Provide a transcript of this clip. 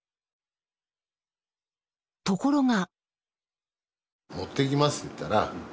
ところが。